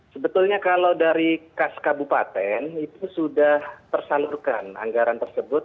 sebetulnya kalau dari kaskabupaten itu sudah tersalurkan anggaran tersebut